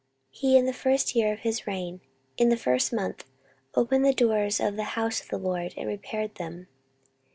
14:029:003 He in the first year of his reign, in the first month, opened the doors of the house of the LORD, and repaired them.